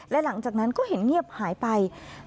และหลังจากนั้นก็เห็นเงียบหายไป